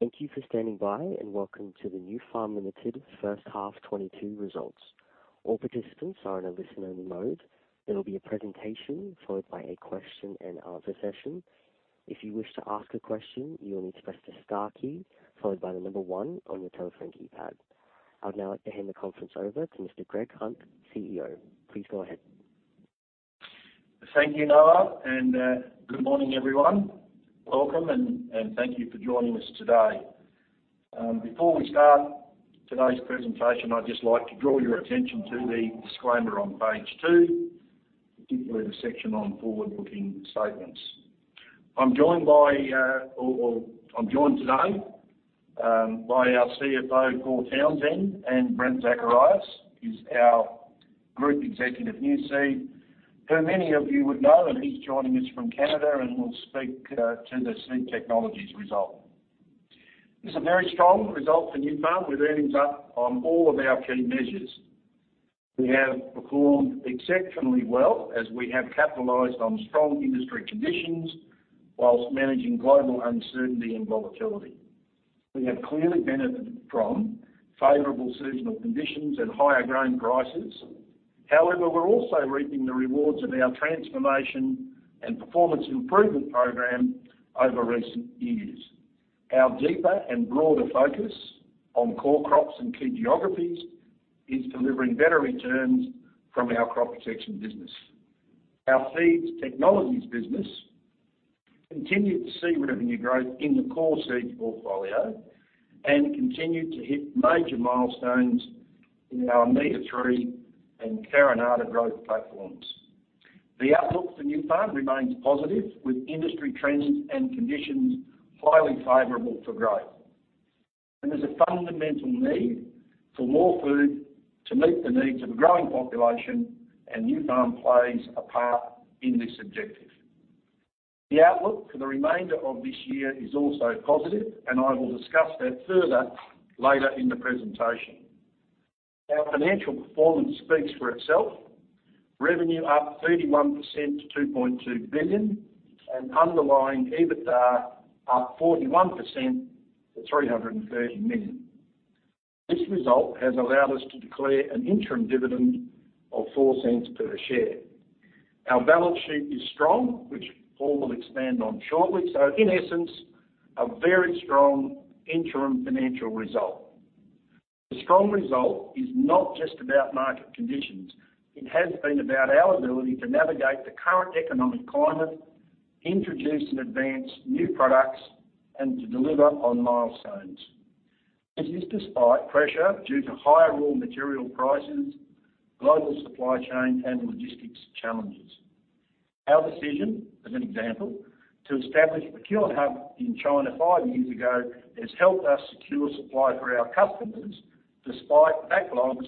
Thank you for standing by and welcome to the Nufarm Limited First Half 2022 Results. All participants are in a listen-only mode. There will be a presentation followed by a question-and-answer session. If you wish to ask a question, you will need to press the star key followed by the number one on your telephone keypad. I would now like to hand the conference over to Mr. Greg Hunt, CEO. Please go ahead. Thank you, Noah, and good morning, everyone. Welcome and thank you for joining us today. Before we start today's presentation, I'd just like to draw your attention to the disclaimer on page two, particularly the section on forward-looking statements. I'm joined today by our CFO, Paul Townsend, and Brent Zacharias is our Group Executive, NuSeed, who many of you would know, and he's joining us from Canada and will speak to the Seed Technologies result. It's a very strong result for Nufarm, with earnings up on all of our key measures. We have performed exceptionally well as we have capitalized on strong industry conditions while managing global uncertainty and volatility. We have clearly benefited from favorable seasonal conditions and higher grain prices. However, we're also reaping the rewards of our transformation and performance improvement program over recent years. Our deeper and broader focus on core Crops and key geographies is delivering better returns from our Crop Protection business. Our Seed Technologies business continued to see revenue growth in the core Seeds portfolio and continued to hit major milestones in our Omega-3 and Carinata growth platforms. The outlook for Nufarm remains positive, with industry trends and conditions highly favorable for growth. There's a fundamental need for more food to meet the needs of a growing population, and Nufarm plays a part in this objective. The outlook for the remainder of this year is also positive, and I will discuss that further later in the presentation. Our financial performance speaks for itself. Revenue up 31% to 2.2 billion and underlying EBITDA up 41% to 330 million. This result has allowed us to declare an interim dividend of 0.04 per share. Our balance sheet is strong, which Paul will expand on shortly. In essence, a very strong interim financial result. The strong result is not just about market conditions. It has been about our ability to navigate the current economic climate, introduce and advance new products, and to deliver on milestones. It is despite pressure due to higher raw material prices, global supply chain, and logistics challenges. Our decision, as an example, to establish a procurement hub in China five years ago, has helped us secure supply for our customers despite backlogs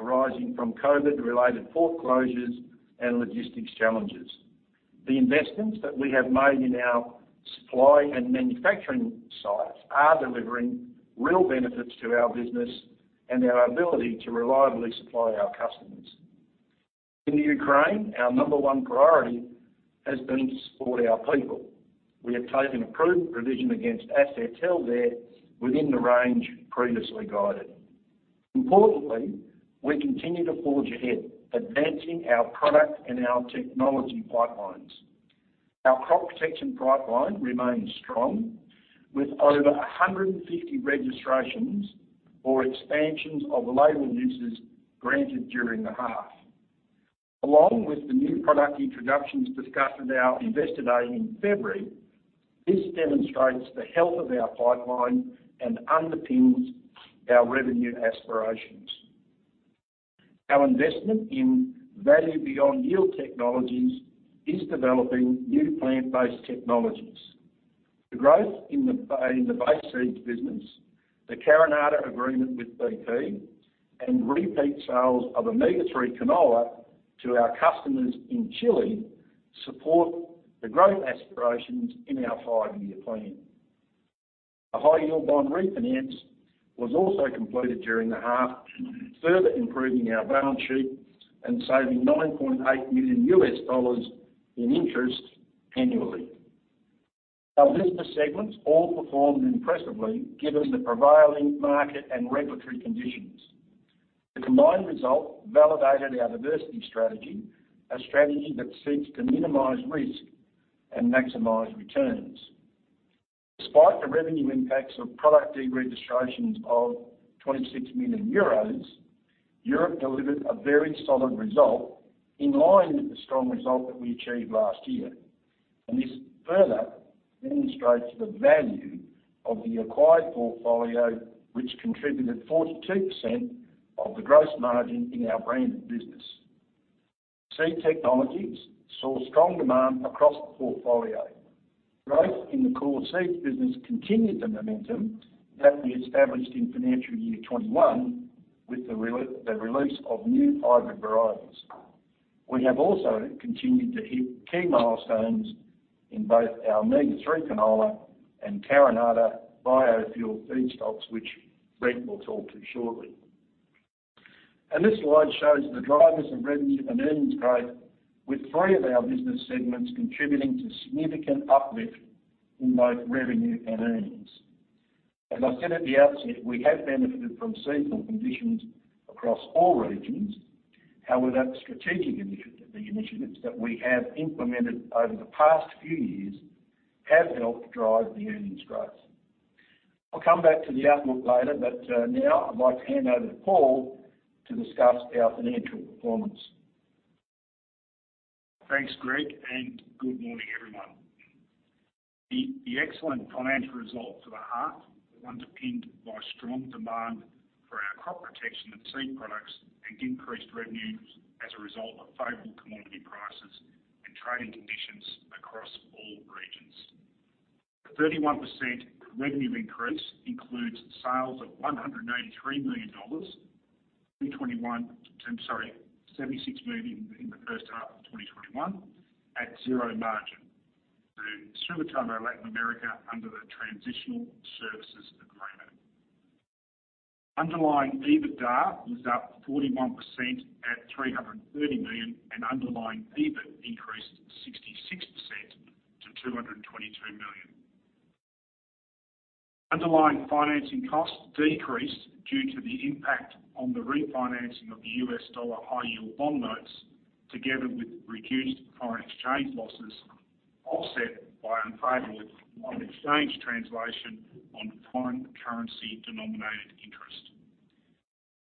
arising from COVID-related port closures and logistics challenges. The investments that we have made in our supply and manufacturing sites are delivering real benefits to our business and our ability to reliably supply our customers. In Ukraine, our number one priority has been to support our people. We have taken a prudent provision against assets held there within the range previously guided. Importantly, we continue to forge ahead, advancing our product and our technology pipelines. Our Crop Protection pipeline remains strong, with over 150 registrations or expansions of label uses granted during the half. Along with the new product introductions discussed at our Investor Day in February, this demonstrates the health of our pipeline and underpins our revenue aspirations. Our investment in Value Beyond Yield is developing new plant-based Technologies. The growth in the Seeds business, the Carinata agreement with bp, and repeat sales of Omega-3 canola to our customers in Chile support the growth aspirations in our five-year plan. The high-yield bond refinance was also completed during the half, further improving our balance sheet and saving $9.8 million in interest annually. Our business segments all performed impressively, given the prevailing market and regulatory conditions. The combined result validated our diversity strategy, a strategy that seeks to minimize risk and maximize returns. Despite the revenue impacts of product deregistrations of 26 million euros, Europe delivered a very solid result in line with the strong result that we achieved last year. This further demonstrates the value of the acquired portfolio, which contributed 42% of the gross margin in our branded business. Seed Technologies saw strong demand across the portfolio. Growth in the core Seeds business continued the momentum that we established in financial year 2021 with the release of new hybrid varieties. We have also continued to hit key milestones in both our Omega-3 canola and Carinata biofuel feedstocks, which Brent will talk to shortly. This slide shows the drivers of revenue and earnings growth, with three of our business segments contributing to significant uplift in both revenue and earnings. As I said at the outset, we have benefited from seasonal conditions across all regions. However, the strategic initiative, the initiatives that we have implemented over the past few years have helped drive the earnings growth. I'll come back to the outlook later, but, now I'd like to hand over to Paul to discuss our financial performance. Thanks, Greg, and good morning, everyone. The excellent financial result for the half were underpinned by strong demand for our Crop Protection and Seed products and increased revenues as a result of favorable commodity prices and trading conditions across all regions. 31% revenue increase includes sales of 183 million dollars, I'm sorry, 76 million in the first half of 2021 at zero margin through Sumitomo Chemical Latin America under the transitional services agreement. Underlying EBITDA was up 41% at 330 million, and underlying EBIT increased 66% to 222 million. Underlying financing costs decreased due to the impact on the refinancing of the U.S. dollar high yield bond notes, together with reduced foreign exchange losses, offset by unfavorable foreign exchange translation on foreign currency denominated interest.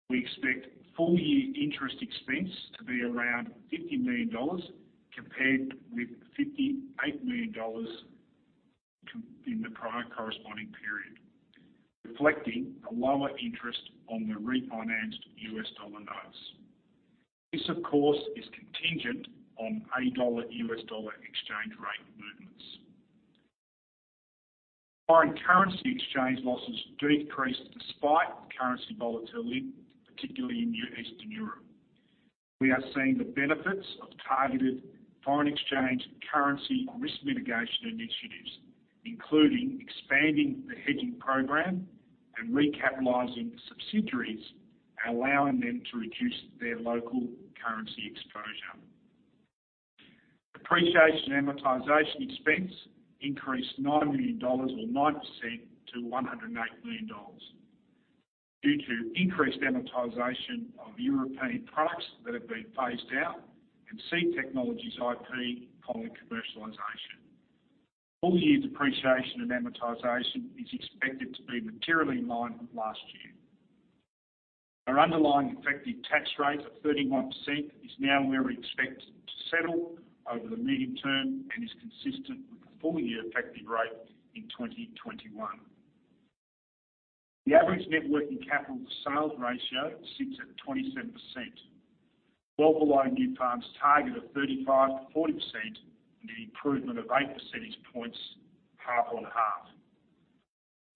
We expect full year interest expense to be around 50 million dollars compared with 58 million dollars in the prior corresponding period, reflecting the lower interest on the refinanced U.S. dollar notes. This, of course, is contingent on A dollar, US dollar exchange rate movements. Foreign currency exchange losses decreased despite currency volatility, particularly in Eastern Europe. We are seeing the benefits of targeted foreign exchange currency risk mitigation initiatives, including expanding the hedging program and recapitalizing subsidiaries and allowing them to reduce their local currency exposure. Depreciation and amortization expense increased 9 million dollars or 9% to 108 million dollars due to increased amortization of European products that have been phased out and Seed Technologies IP product commercialization. Full year depreciation and amortization is expected to be materially in line with last year. Our underlying effective tax rate of 31% is now where we expect to settle over the medium term and is consistent with the full year effective rate in 2021. The average net working capital to sales ratio sits at 27%, well below Nufarm's target of 35%-40%, and an improvement of 8 percentage points half-on-half.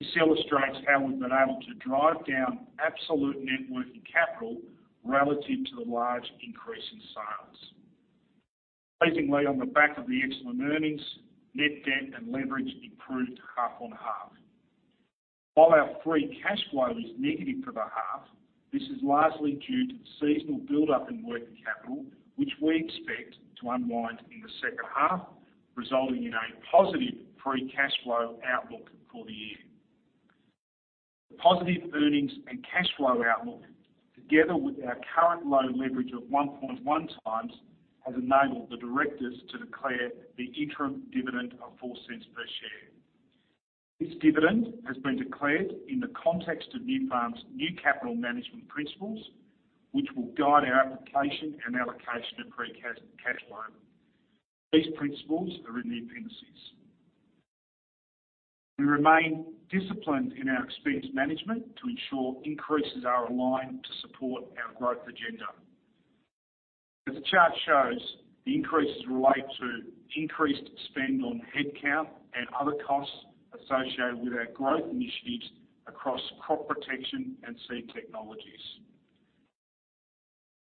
This illustrates how we've been able to drive down absolute net working capital relative to the large increase in sales. Pleasingly on the back of the excellent earnings, net debt and leverage improved half-on-half. While our free cash flow is negative for the half, this is largely due to the seasonal buildup in working capital, which we expect to unwind in the second half, resulting in a positive free cash flow outlook for the year. The positive earnings and cash flow outlook, together with our current loan leverage of 1.1 times, has enabled the directors to declare the interim dividend of 0.04 per share. This dividend has been declared in the context of Nufarm's new capital management principles, which will guide our application and allocation of free cash flow. These principles are in the appendices. We remain disciplined in our expense management to ensure increases are aligned to support our growth agenda. As the chart shows, the increases relate to increased spend on headcount and other costs associated with our growth initiatives across Crop Protection and Seed Technologies.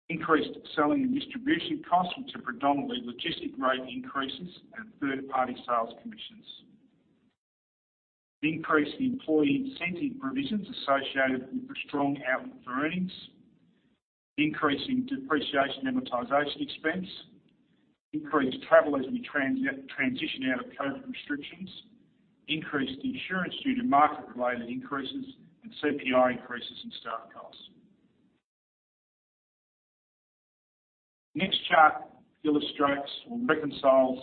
Increased selling and distribution costs were due to predominantly logistics rate increases and third-party sales commissions. The increase in employee incentive provisions associated with the strong outlook for earnings. Increase in depreciation and amortization expense. Increased travel as we transition out of COVID restrictions. Increase in insurance due to market-related increases and CPI increases in staff costs. The next chart illustrates or reconciles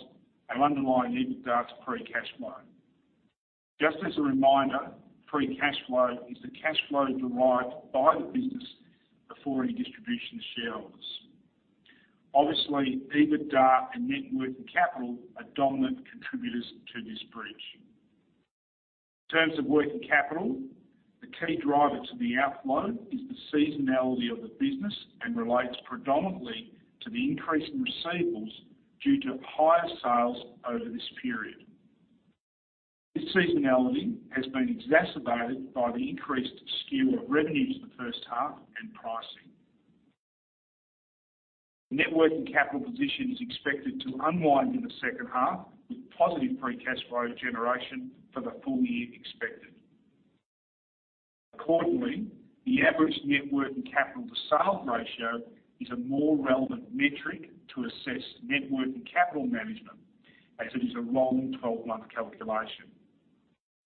our underlying EBITDA to free cash flow. Just as a reminder, free cash flow is the cash flow derived by the business before any distribution to shareholders. Obviously, EBITDA and net working capital are dominant contributors to this bridge. In terms of working capital, the key driver to the outflow is the seasonality of the business and relates predominantly to the increase in receivables due to higher sales over this period. This seasonality has been exacerbated by the increased skew of revenues in the first half and pricing. Net working capital position is expected to unwind in the second half with positive free cash flow generation for the full year expected. Accordingly, the average net working capital to sales ratio is a more relevant metric to assess net working capital management, as it is a rolling twelve-month calculation.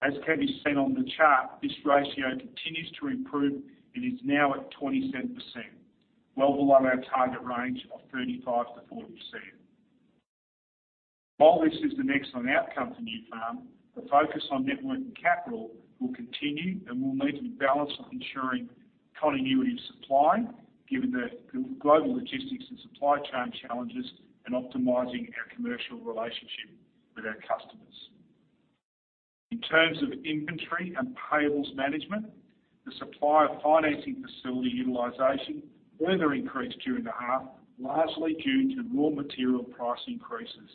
As can be seen on the chart, this ratio continues to improve and is now at 27%, well below our target range of 35%-40%. While this is an excellent outcome for Nufarm, the focus on net working capital will continue, and we'll need to be balanced on ensuring continuity of supply, given the global logistics and supply chain challenges and optimizing our commercial relationship with our customers. In terms of inventory and payables management, the supplier financing facility utilization further increased during the half, largely due to raw material price increases.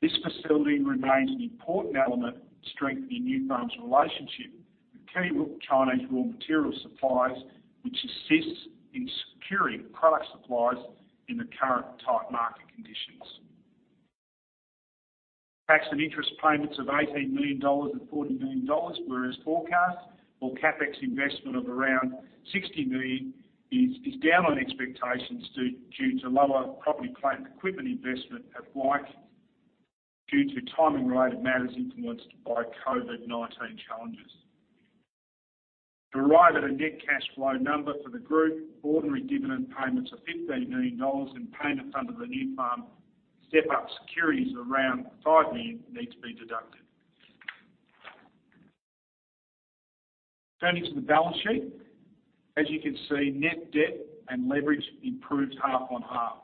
This facility remains an important element in strengthening Nufarm's relationship with key Chinese raw material suppliers, which assists in securing product supplies in the current tight market conditions. Tax and interest payments of 18 million dollars and 40 million dollars were as forecast, while CapEx investment of around 60 million is down on expectations due to lower property plant equipment investment at Wyke, due to timing related matters influenced by COVID-19 challenges. To arrive at a net cash flow number for the group, ordinary dividend payments of 15 million dollars and payments under the Nufarm Step-Up Securities around 5 million needs to be deducted. Turning to the balance sheet. As you can see, net debt and leverage improved half-on-half.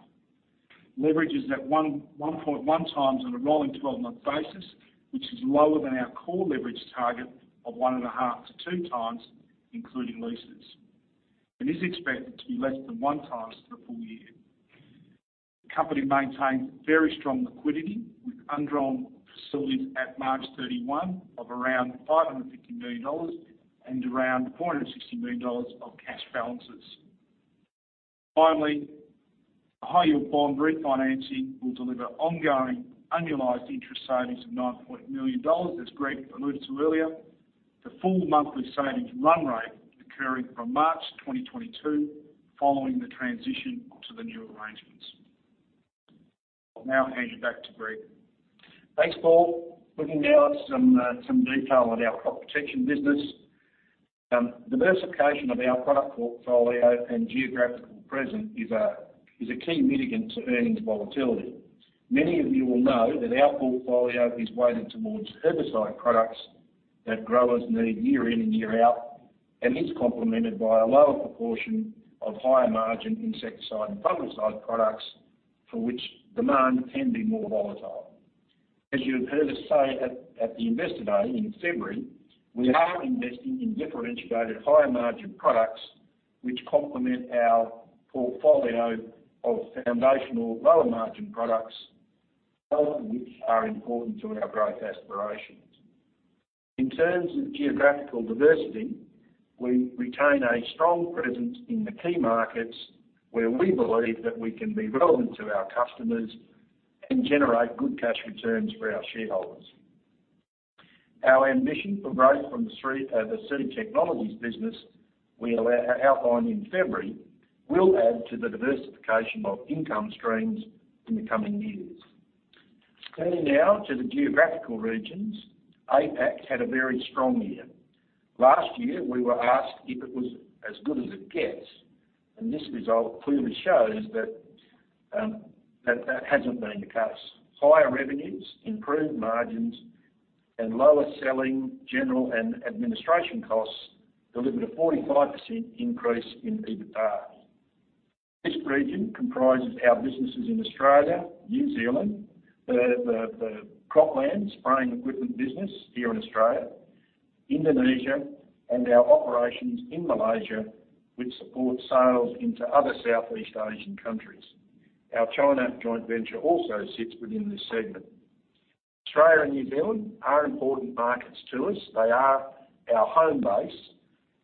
Leverage is at 1.1 times on a rolling twelve-month basis, which is lower than our core leverage target of 1.5-2 times, including leases, and is expected to be less than 1 time for the full year. The company maintains very strong liquidity, with undrawn facilities at March 31 of around 550 million dollars and around 460 million dollars of cash balances. Finally, the high-yield bond refinancing will deliver ongoing annualized interest savings of $9.8 million, as Greg alluded to earlier. The full monthly savings run rate occurring from March 2022 following the transition to the new arrangements. I'll now hand you back to Greg. Thanks, Paul. Looking now at some detail on our Crop Protection business. Diversification of our product portfolio and geographical presence is a key mitigant to earnings volatility. Many of you will know that our portfolio is weighted towards herbicide products that growers need year in and year out, and is complemented by a lower proportion of higher-margin insecticide and fungicide products, for which demand can be more volatile. As you have heard us say at the Investor Day in February, we are investing in differentiated higher-margin products which complement our portfolio of foundational lower-margin products, both of which are important to our growth aspirations. In terms of geographical diversity, we retain a strong presence in the key markets where we believe that we can be relevant to our customers and generate good cash returns for our shareholders. Our ambition for growth from the Seed Technologies business we outlined in February will add to the diversification of income streams in the coming years. Turning now to the geographical regions, APAC had a very strong year. Last year, we were asked if it was as good as it gets, and this result clearly shows that that hasn't been the case. Higher revenues, improved margins, and lower selling, general and administration costs delivered a 45% increase in EBITDA. This region comprises our businesses in Australia, New Zealand, the Croplands spraying equipment business here in Australia, Indonesia, and our operations in Malaysia, which support sales into other Southeast Asian countries. Our China joint venture also sits within this segment. Australia and New Zealand are important markets to us. They are our home base,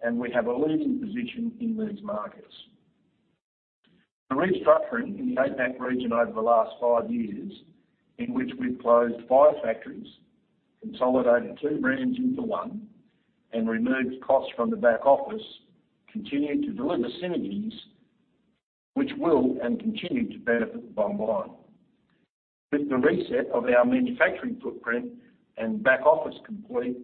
and we have a leading position in these markets. The restructuring in the APAC region over the last five years, in which we've closed five factories, consolidated two brands into one, and removed costs from the back office, continued to deliver synergies which will and continue to benefit the bottom line. With the reset of our manufacturing footprint and back office complete,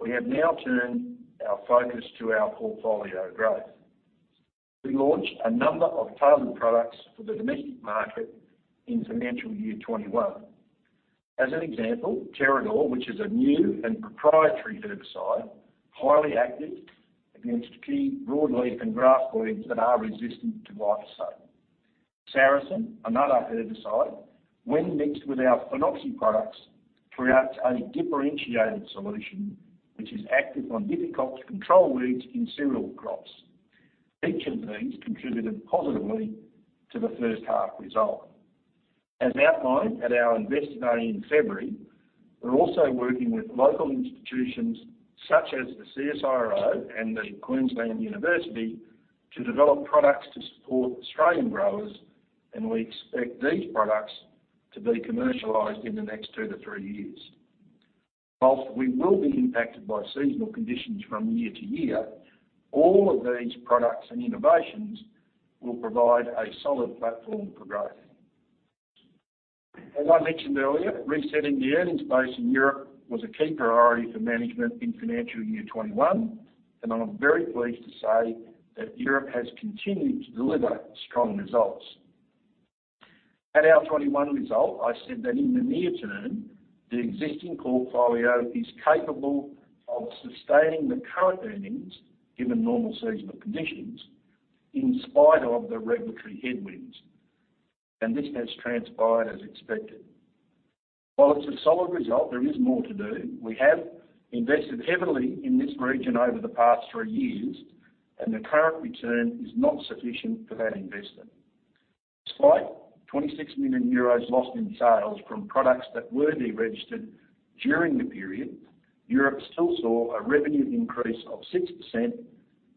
we have now turned our focus to our portfolio growth. We launched a number of targeted products for the domestic market in financial year 2021. As an example, Terrad'or, which is a new and proprietary herbicide, highly active against key broadleaf and grass weeds that are resistant to glyphosate. Saracen, another herbicide, when mixed with our phenoxy products, creates a differentiated solution which is active on difficult to control weeds in cereal Crops. Each of these contributed positively to the first half result. As outlined at our Investor Day in February, we're also working with local institutions such as the CSIRO and the University of Queensland to develop products to support Australian growers, and we expect these products to be commercialized in the next 2-3 years. While we will be impacted by seasonal conditions from year to year, all of these products and innovations will provide a solid platform for growth. As I mentioned earlier, resetting the earnings base in Europe was a key priority for management in financial year 2021, and I'm very pleased to say that Europe has continued to deliver strong results. At our 2021 result, I said that in the near term, the existing portfolio is capable of sustaining the current earnings given normal seasonal conditions in spite of the regulatory headwinds, and this has transpired as expected. While it's a solid result, there is more to do. We have invested heavily in this region over the past 3 years, and the current return is not sufficient for that investment. Despite 26 million euros lost in sales from products that were de-registered during the period, Europe still saw a revenue increase of 6%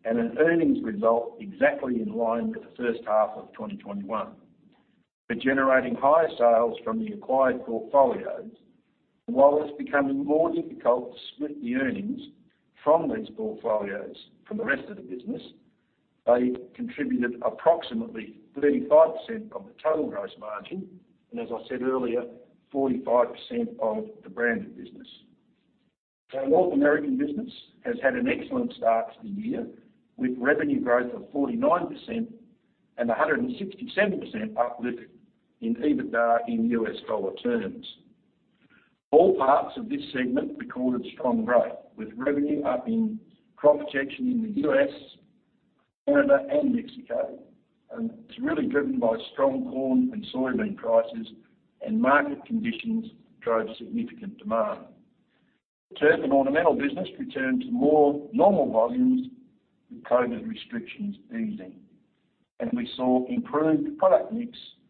and an earnings result exactly in line with the first half of 2021. We're generating higher sales from the acquired portfolios, and while it's becoming more difficult to split the earnings from these portfolios from the rest of the business, they contributed approximately 35% of the total gross margin and, as I said earlier, 45% of the branded business. Our North American business has had an excellent start to the year, with revenue growth of 49% and 167% uplift in EBITDA in U.S. dollar terms. All parts of this segment recorded strong growth, with revenue up in Crop Protection in the U.S., Canada, and Mexico, and it's really driven by strong corn and soybean prices, and market conditions drove significant demand. Turf and Ornamental business returned to more normal volumes with COVID restrictions easing, and we saw improved product mix and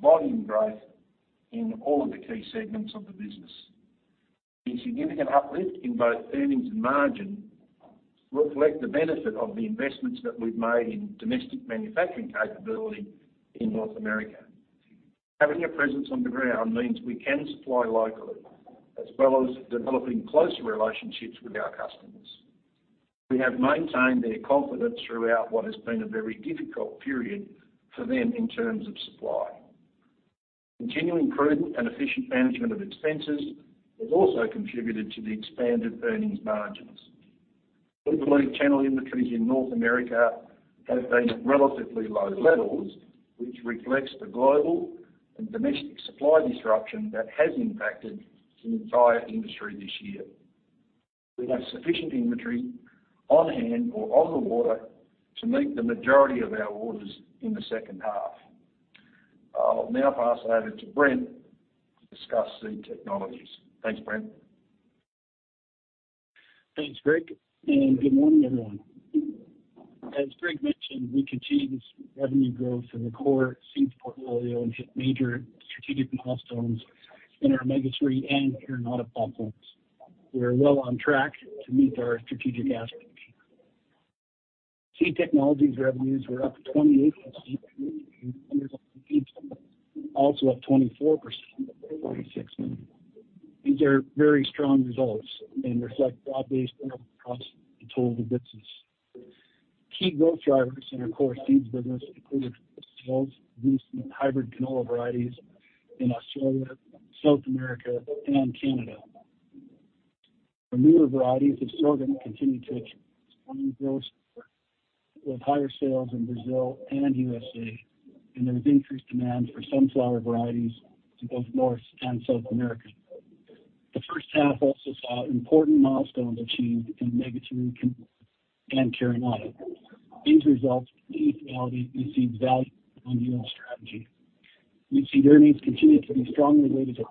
volume growth in all of the key segments of the business. The significant uplift in both earnings and margin reflect the benefit of the investments that we've made in domestic manufacturing capability in North America. Having a presence on the ground means we can supply locally as well as developing closer relationships with our customers. We have maintained their confidence throughout what has been a very difficult period for them in terms of supply. Continuing prudent and efficient management of expenses has also contributed to the expanded earnings margins. We believe channel inventories in North America have been at relatively low levels, which reflects the global and domestic supply disruption that has impacted the entire industry this year. We have sufficient inventory on hand or on the water to meet the majority of our orders in the second half. I'll now pass over to Brent to discuss Seed Technologies. Thanks, Brent. Thanks, Greg, and good morning, everyone. As Greg mentioned, we continued revenue growth in the core Seeds portfolio and hit major strategic milestones in our omega-3 and carotenoid platforms. We are well on track to meet our strategic aspirations. Seed Technologies revenues were up 28%, and orders on Seed also up 24% in 2026. These are very strong results and reflect broad-based across the total business. Key growth drivers in our core Seeds business included strong sales of new hybrid canola varieties in Australia, South America, and Canada. Our newer varieties of sorghum continue to with higher sales in Brazil and USA, and there was increased demand for sunflower varieties in both North and South America. The first half also saw important milestones achieved in omega-3 and carotenoid. These results clearly validate NuSeed's value on the overall strategy. NuSeed earnings continue to be strongly weighted to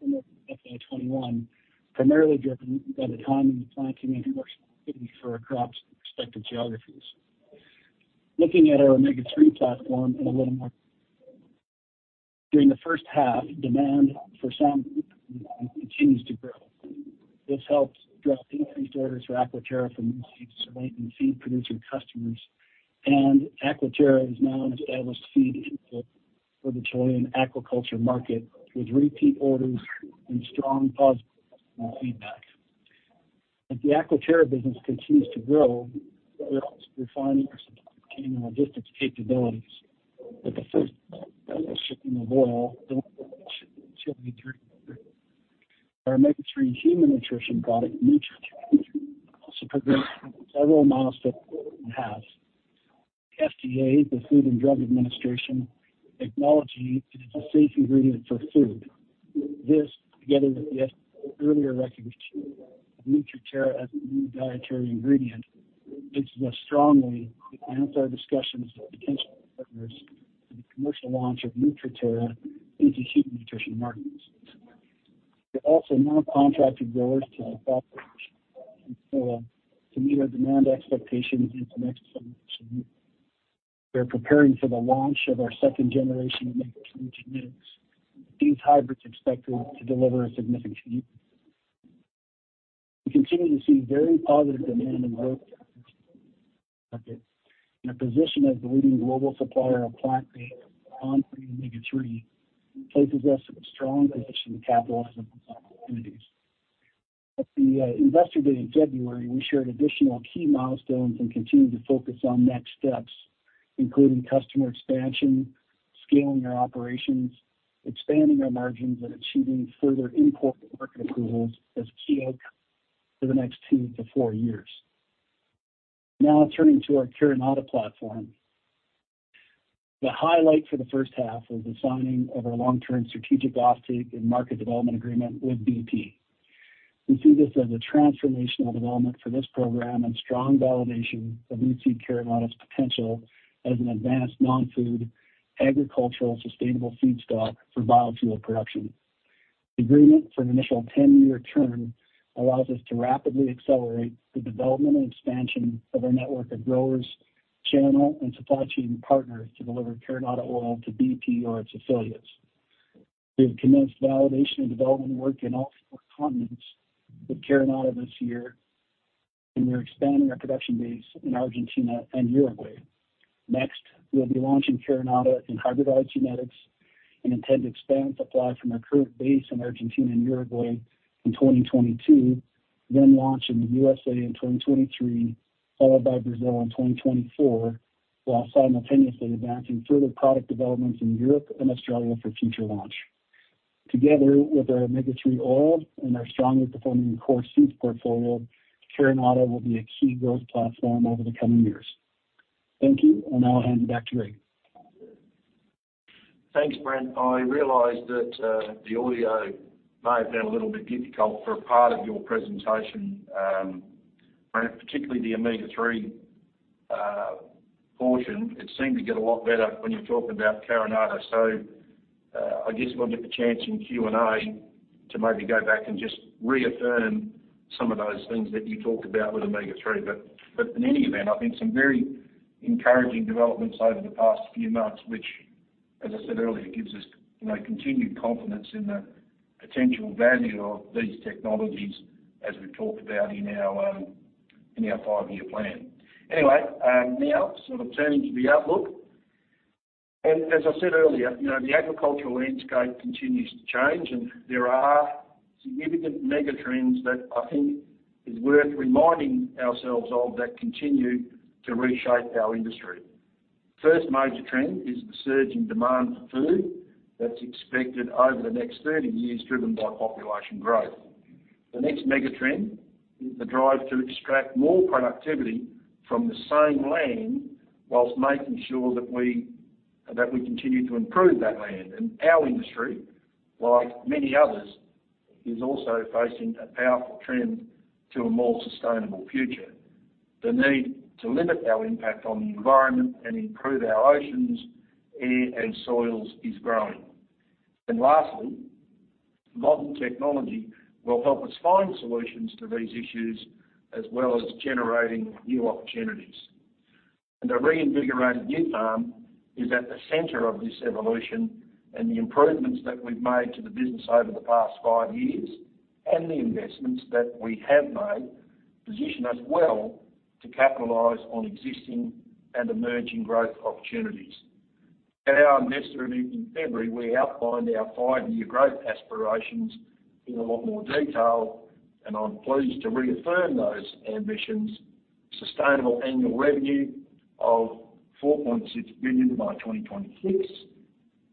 2021, primarily driven by the timing of planting and harvesting for our Crops in respective geographies. Looking at our Omega-3 platform in a little more. During the first half, demand for salmon continues to grow. This helped drive increased orders for Aquaterra from existing salmon feed-producing customers, and Aquaterra is now established Seed input for the Chilean aquaculture market, with repeat orders and strong positive customer feedback. As the Aquaterra business continues to grow, we are also refining our supply chain and logistics capabilities, with the first shipping of oil. Our Omega-3 human nutrition product, Nutriterra, also progressed with several milestones in the past. FDA, the Food and Drug Administration, acknowledging it is a safe ingredient for food. This, together with the earlier recognition of Nutriterra as a new dietary ingredient, is set to enhance our discussions with potential partners for the commercial launch of Nutriterra into human nutrition markets. We're also now contracting growers to meet our demand expectations into next. We're preparing for the launch of our second-generation. These hybrids expected to deliver a significant. We continue to see very positive demand in both markets. Our position as the leading global supplier of plant-based omega-3 places us in a strong position to capitalize on these opportunities. At the Investor Day in February, we shared additional key milestones and continued to focus on next steps, including customer expansion, scaling our operations, expanding our margins, and achieving further important market approvals as key outcomes for the next two to four years. Now, turning to our Carinata platform. The highlight for the first half was the signing of our long-term strategic offtake and market development agreement with bp. We see this as a transformational development for this program and strong validation of NuSeed Carinata's potential as an advanced non-food, agricultural, Sustainable feedstock for biofuel production. The agreement for an initial 10-year term allows us to rapidly accelerate the development and expansion of our network of growers, channel, and supply chain partners to deliver Carinata oil to bp or its affiliates. We have commenced validation and development work in all four continents with Carinata this year, and we're expanding our production base in Argentina and Uruguay. Next, we'll be launching Carinata in hybrid Seed genetics, and intend to expand supply from our current base in Argentina and Uruguay in 2022. Launch in the USA in 2023, followed by Brazil in 2024, while simultaneously advancing further product developments in Europe and Australia for future launch. Together with our Omega-3 oil and our strongly performing core Seeds portfolio, Carinata will be a key growth platform over the coming years. Thank you, and I'll hand it back to Greg. Thanks, Brent. I realized that the audio may have been a little bit difficult for a part of your presentation, Brent, particularly the Omega-3 portion. It seemed to get a lot better when you talked about Carinata. I guess we'll get the chance in Q&A to maybe go back and just reaffirm some of those things that you talked about with Omega-3. In any event, I think some very encouraging developments over the past few months, which, as I said earlier, gives us, you know, continued confidence in the potential value of these Technologies as we've talked about in our five-year plan. Anyway, now sort of turning to the outlook. As I said earlier, you know, the agricultural landscape continues to change, and there are significant mega trends that I think is worth reminding ourselves of that continue to reshape our industry. First major trend is the surge in demand for food that's expected over the next 30 years, driven by population growth. The next mega trend is the drive to extract more productivity from the same land while making sure that we continue to improve that land. Our industry, like many others, is also facing a powerful trend to a more Sustainable future. The need to limit our impact on the environment and improve our oceans, air, and soils is growing. Lastly, modern technology will help us find solutions to these issues, as well as generating new opportunities. A reinvigorated Nufarm is at the center of this evolution, and the improvements that we've made to the business over the past five years, and the investments that we have made, position us well to capitalize on existing and emerging growth opportunities. At our Investor Day in February, we outlined our five-year growth aspirations in a lot more detail, and I'm pleased to reaffirm those ambitions. Sustainable annual revenue of 4.6 billion by 2026,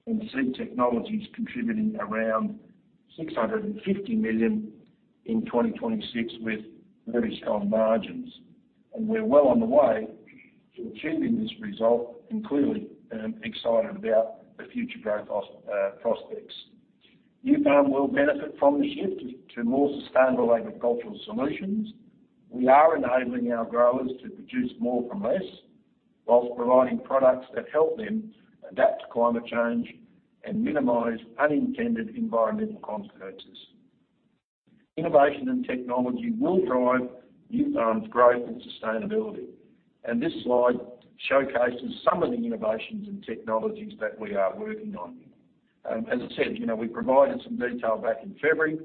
and Seed Technologies contributing around 650 million in 2026 with very strong margins. We're well on the way to achieving this result and clearly excited about the future growth prospects. Nufarm will benefit from the shift to more Sustainable agricultural solutions. We are enabling our growers to produce more from less, while providing products that help them adapt to climate change and minimize unintended environmental consequences. Innovation and technology will drive Nufarm's growth and sustainability. This slide showcases some of the innovations and Technologies that we are working on. As I said, you know, we provided some detail back in February.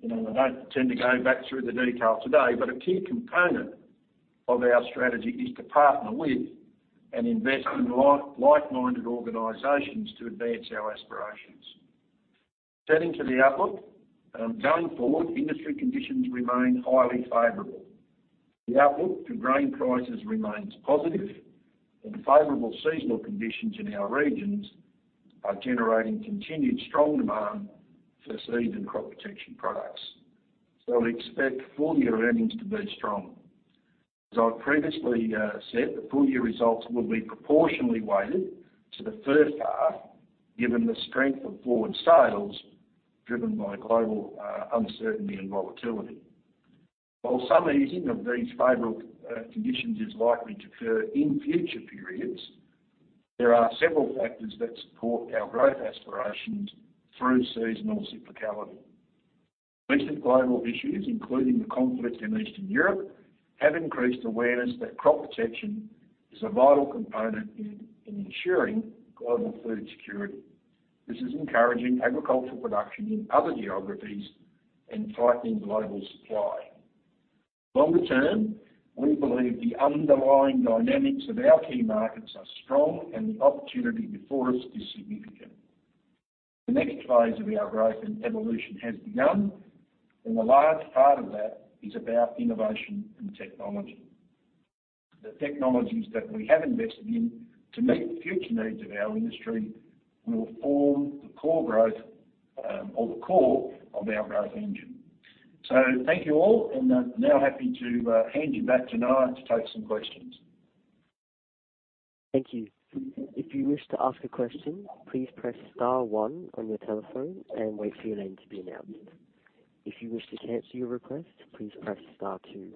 You know, I don't intend to go back through the detail today, but a key component of our strategy is to partner with and invest in like-minded organizations to advance our aspirations. Turning to the outlook. Going forward, industry conditions remain highly favorable. The outlook for grain prices remains positive, and favorable seasonal conditions in our regions are generating continued strong demand for Seed and Crop Protection products. We expect full-year earnings to be strong. As I've previously said, the full-year results will be proportionally weighted to the first half, given the strength of forward sales driven by global uncertainty and volatility. While some easing of these favorable conditions is likely to occur in future periods, there are several factors that support our growth aspirations through seasonal cyclicality. Recent global issues, including the conflict in Eastern Europe, have increased awareness that Crop Protection is a vital component in ensuring global food security. This is encouraging agricultural production in other geographies and tightening global supply. Longer term, we believe the underlying dynamics of our key markets are strong and the opportunity before us is significant. The next phase of our growth and evolution has begun, and a large part of that is about innovation and technology. The Technologies that we have invested in to meet the future needs of our industry will form the core growth, or the core of our growth engine. Thank you all and now happy to hand you back to Nia to take some questions. Thank you. If you wish to ask a question, please press star one on your telephone and wait for your name to be announced. If you wish to cancel your request, please press star two.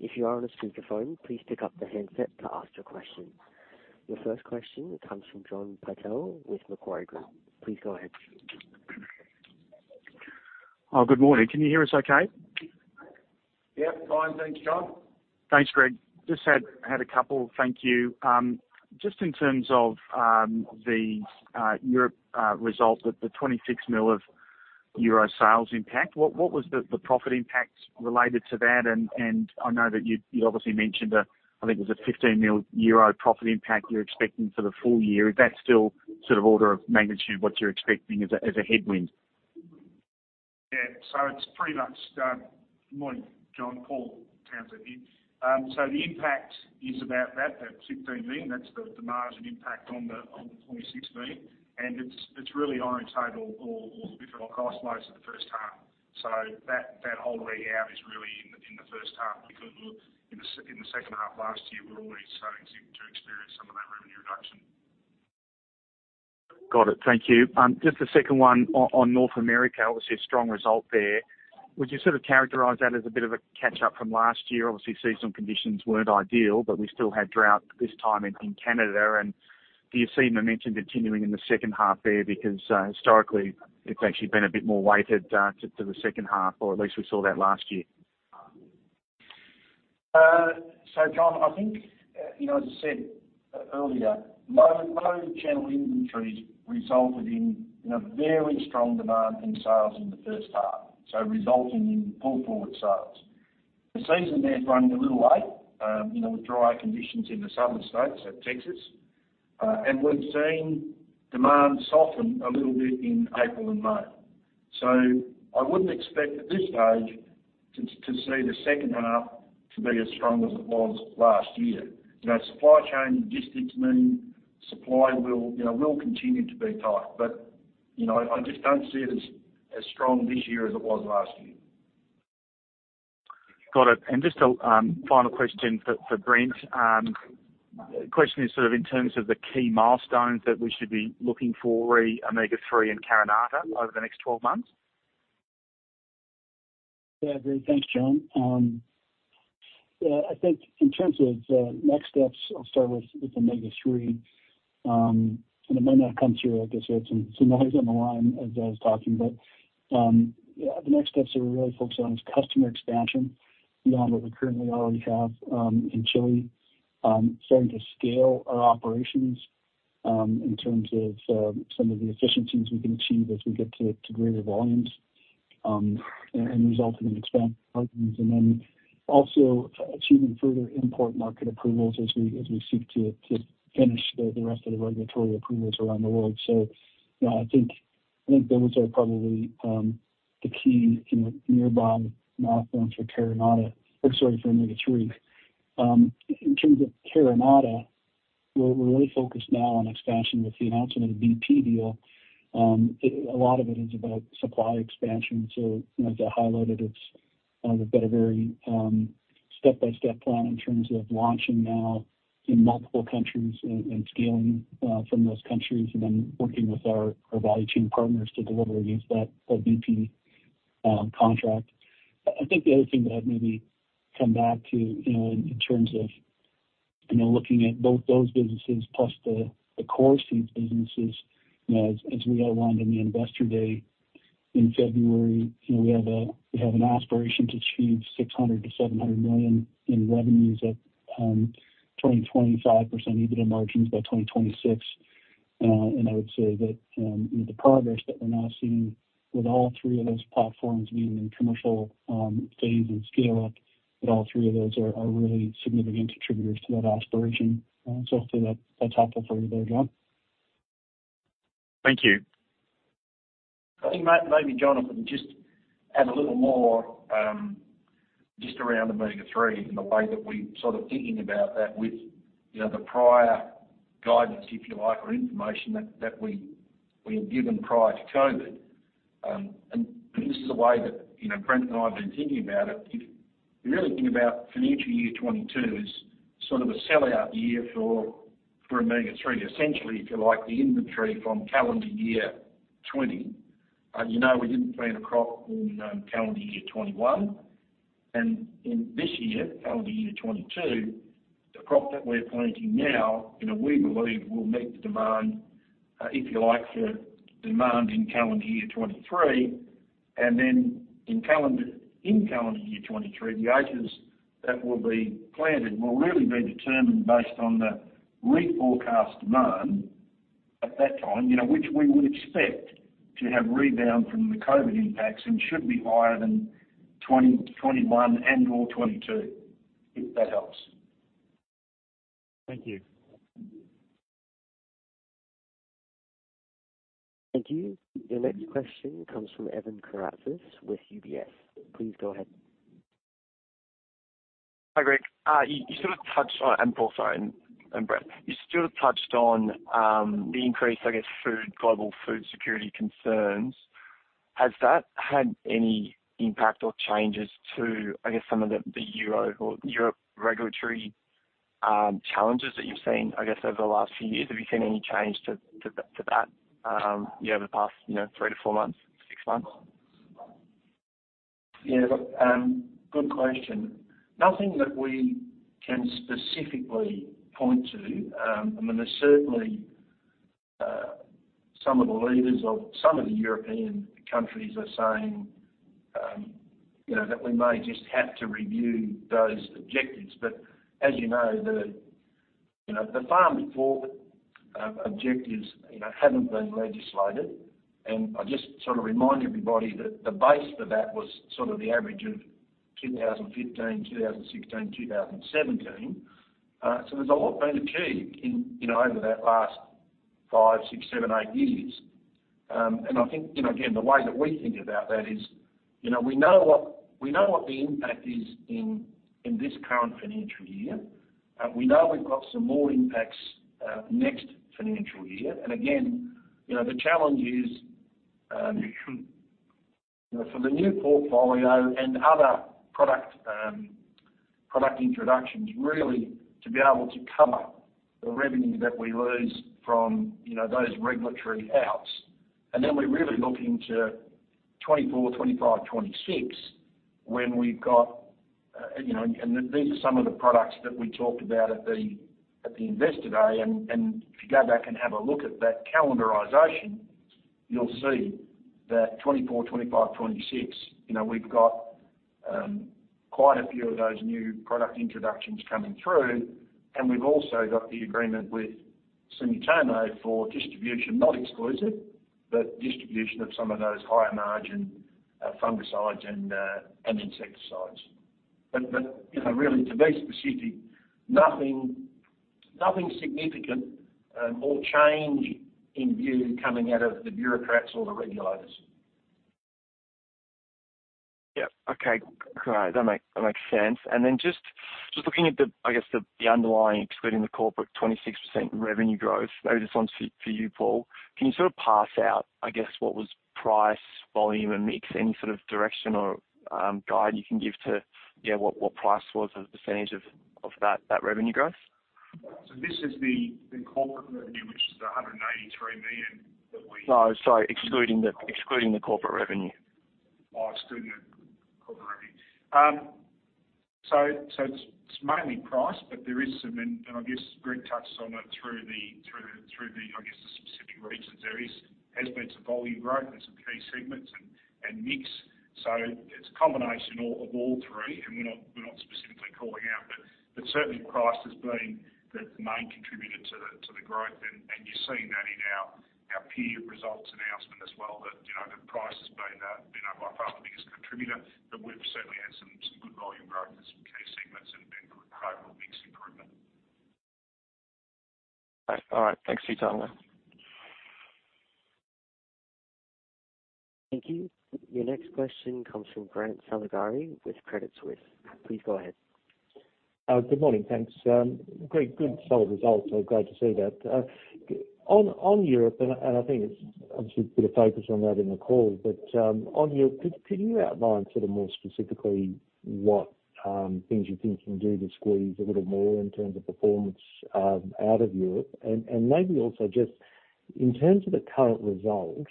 If you are on a speakerphone, please pick up the handset to ask your question. Your first question comes from John Purtell with Macquarie Group. Please go ahead. Oh, good morning. Can you hear us okay? Yeah, fine. Thank you, John. Thanks, Greg. Just had a couple. Thank you. Just in terms of the Europe result with the 26 million euro sales impact, what was the profit impact related to that? I know that you obviously mentioned that I think it was a 15 million euro profit impact you're expecting for the full year. Is that still sort of order of magnitude what you're expecting as a headwind? It's pretty much. Morning, John. Paul Townsend here. The impact is about that 15 million. That's the margin impact on the 2016. It's really only total or the direct cost most of the first half. That whole run-out is really in the first half because in the second half last year, we were already starting to experience some of that revenue reduction. Got it. Thank you. Just the second one on North America, obviously a strong result there. Would you sort of characterize that as a bit of a catch up from last year? Obviously, seasonal conditions weren't ideal, but we still had drought this time in Canada. Do you see momentum continuing in the second half there? Because historically, it's actually been a bit more weighted to the second half or at least we saw that last year. John, I think, you know, as I said earlier, low general inventories resulted in a very strong demand in sales in the first half, so resulting in pull forward sales. The season there is running a little late, you know, with dry conditions in the southern states of Texas. We've seen demand soften a little bit in April and May. I wouldn't expect at this stage to see the second half to be as strong as it was last year. You know, supply chain logistics mean supply will continue to be tight. You know, I just don't see it as strong this year as it was last year. Got it. Just a final question for Brent. Question is sort of in terms of the key milestones that we should be looking for re Omega-3 and Carinata over the next 12 months. Yeah, great. Thanks, John. I think in terms of next steps, I'll start with Omega-3. It may not come through. I guess we had some noise on the line as I was talking. Yeah, the next steps that we're really focused on is customer expansion beyond what we currently already have in Chile. Starting to scale our operations in terms of some of the efficiencies we can achieve as we get to greater volumes and resulting in expanded margins. Then also achieving further import market approvals as we seek to finish the rest of the regulatory approvals around the world. You know, I think those are probably the key nearby milestones for Carinata. Oh, sorry, for Omega-3. In terms of Carinata, we're really focused now on expansion with the announcement of the bp deal. A lot of it is about supply expansion. You know, as I highlighted, it's we've got a very step-by-step plan in terms of launching now in multiple countries and scaling from those countries and then working with our value chain partners to deliver against that bp contract. I think the other thing that I'd maybe come back to, you know, in terms of, you know, looking at both those businesses plus the core Seeds businesses, you know, as we outlined in the Investor Day in February, you know, we have an aspiration to achieve 600 million-700 million in revenues at 20%-25% EBITDA margins by 2026. I would say that the progress that we're now seeing with all three of those platforms being in commercial phase and scale up that all three of those are really significant contributors to that aspiration. Hopefully that that's helpful for you there, John. Thank you. I think maybe John just add a little more, just around Omega-3 and the way that we're sort of thinking about that with, you know, the prior guidance, if you like, or information that we had given prior to COVID. This is the way that, you know, Brent and I have been thinking about it. If we really think about financial year 2022 as sort of a sell-out year for Omega-3, essentially, if you like, the inventory from calendar year 2020. You know, we didn't plant a Crop in calendar year 2021, and in this year, calendar year 2022, the Crop that we're planting now, you know, we believe will meet the demand, if you like, the demand in calendar year 2023, and then in calendar year 2023, the acres that will be planted will really be determined based on the reforecast demand at that time, you know, which we would expect to have rebound from the COVID impacts and should be higher than 2021 and/or 2022, if that helps. Thank you. Thank you. Your next question comes from Evan Karatzas with UBS. Please go ahead. Hi, Greg. You sort of touched on, and also, Brent, you sort of touched on the increase in global food security concerns. Has that had any impact or changes to, I guess, some of the European regulatory challenges that you've seen, I guess, over the last few years? Have you seen any change to that, you know, over the past, you know, three to four months, six months? Yeah. Look, good question. Nothing that we can specifically point to. I mean, there's certainly some of the leaders of some of the European countries are saying, you know, that we may just have to review those objectives. As you know, the, you know, the Farm to Fork objectives, you know, haven't been legislated, and I just sort of remind everybody that the base for that was sort of the average of 2015, 2016, 2017. So there's a lot been achieved in, you know, over that last 5, 6, 7, 8 years. And I think, you know, again, the way that we think about that is, you know, we know what the impact is in this current financial year. We know we've got some more impacts next financial year. Again, you know, the challenge is, you know, for the new portfolio and other product introductions really to be able to cover the revenue that we lose from, you know, those regulatory outs. Then we're really looking to 2024, 2025, 2026 when we've got, you know. These are some of the products that we talked about at the Investor Day. If you go back and have a look at that calendarization, you'll see that 2024, 2025, 2026, you know, we've got quite a few of those new product introductions coming through. We've also got the agreement with Sumitomo for distribution, not exclusive, but distribution of some of those higher margin fungicides and insecticides. You know, really to be specific, nothing significant or change in view coming out of the bureaucrats or the regulators. Yeah. Okay. Great. That makes sense. Then just looking at the, I guess the underlying excluding the corporate 26% revenue growth. Maybe this one's for you, Paul. Can you sort of parse out, I guess, what was price, volume, and mix, any sort of direction or guide you can give to you know what price was as a percentage of that revenue growth? This is the corporate revenue, which is the 183 million that we- No. Sorry. Excluding the corporate revenue. Excluding the corporate revenue. It's mainly price, but there is some and I guess Greg touched on it through the specific regions. There has been some volume growth in some key segments and mix. It's a combination of all three, and we're not specifically calling out, but certainly price has been the main contributor to the growth. You're seeing that in our period results announcement as well, that you know the price has been you know by far the biggest contributor, but we've certainly had some good volume growth in some key segments and good profitable mix improvement. All right. Thanks for your time then. Thank you. Your next question comes from Grant Saligari with Credit Suisse. Please go ahead. Good morning. Thanks. Greg, good solid results. Great to see that. On Europe, I think it's obviously a bit of focus on that in the call, but on Europe, can you outline sort of more specifically what things you think you can do to squeeze a little more in terms of performance out of Europe? Maybe also just in terms of the current result,